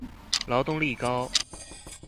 勞動力高